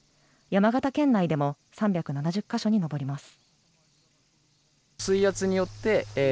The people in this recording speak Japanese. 山形県内でも３７０か所に上ります。